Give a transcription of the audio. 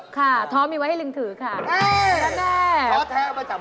ค่ะท้อมีไว้ให้ลิงถือค่ะ